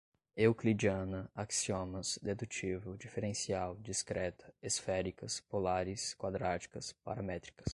euclidiana, axiomas, dedutivo, diferencial, discreta, esféricas, polares, quadráticas, paramétricas